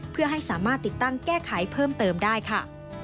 เพื่อให้สามารถติดตั้งแก้ไขเพิ่มเติมได้ค่ะ